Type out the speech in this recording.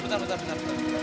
tentang bentar bentar